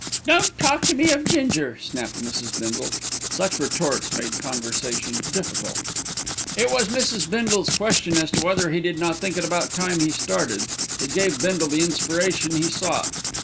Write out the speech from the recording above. "Don't talk to me of Ginger!" snapped Mrs. Bindle. Such retorts made conversation difficult. It was Mrs. Bindle's question as to whether he did not think it about time he started that gave Bindle the inspiration he sought.